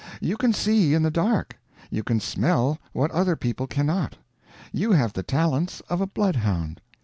You can see in the dark, you can smell what other people cannot, you have the talents of a bloodhound.